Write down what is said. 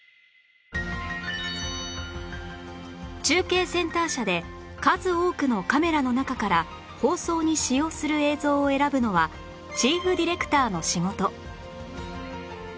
中継センター車で数多くのカメラの中から放送に使用する映像を選ぶのはチーフディレクターの仕事